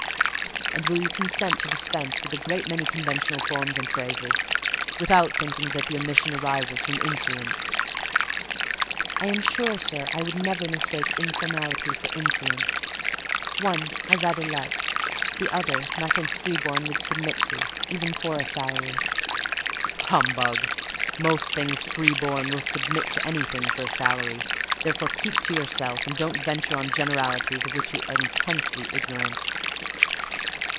"And will you consent to dispense with a great many conventional forms and phrases, without thinking that the omission arises from insolence?" "I am sure, sir, I should never mistake informality for insolence: one I rather like, the other nothing free born would submit to, even for a salary." "Humbug! Most things free born will submit to anything for a salary; therefore, keep to yourself, and don't venture on generalities of which you are intensely ignorant.